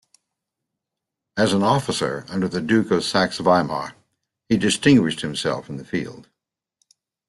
As an officer under the Duke of Saxe-Weimar he distinguished himself in the field.